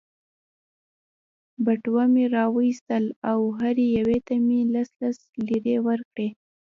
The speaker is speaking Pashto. بټوه مې را وایستل او هرې یوې ته مې لس لس لیرې ورکړې.